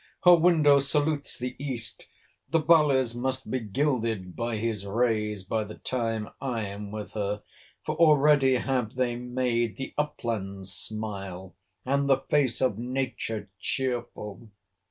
Her window salutes the east. The valleys must be gilded by his rays, by the time I am with her; for already have they made the up lands smile, and the face of nature cheerful.